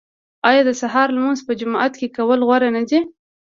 آیا د سهار لمونځ په جومات کې کول غوره نه دي؟